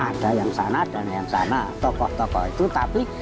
ada yang sana dan yang sana tokoh tokoh itu tapi